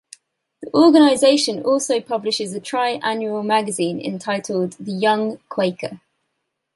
The organization also publishes a tri-annual magazine entitled The Young Quaker.